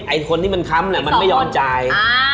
ไอ้คนที่มันค้ำแหละมันไม่ย้อนจ่าย